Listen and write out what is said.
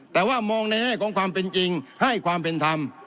แต่ว่ามองในแง่ของความเป็นจริงให้ความเป็นธรรม